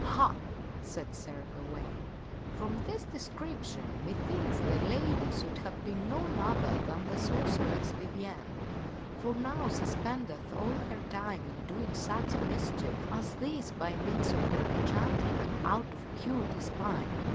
Ha !" said Sir Gawaine, " from this description methinks that lady could have been none other than the sorceress Vivien. For now she spendeth all of her time in doing such mischief as this by means of her enchantment, out of pure despite.